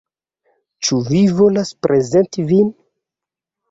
Ĉu vi volas prezenti vin?